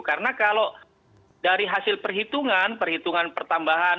karena kalau dari hasil perhitungan perhitungan pertambahan